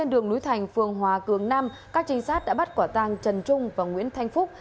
đường núi thành phường hòa cường năm các trinh sát đã bắt quả tàng trần trung và nguyễn thanh phúc